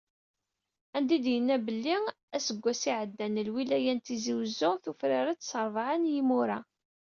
Anda i d-yenna belli: “Aseggas iɛeddan, lwilaya n Tizi Uzzu, tufrar-d s rebɛa n yimura."